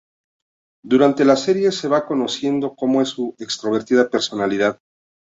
Durante la serie se va conociendo cómo es su extrovertida personalidad.